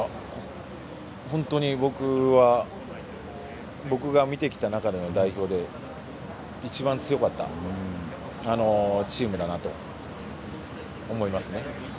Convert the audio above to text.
本当に僕が見てきた中での代表で一番強かったチームだなと思います。